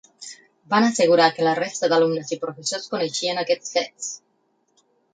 Van assegurar que la resta d’alumnes i professors coneixien aquests fets.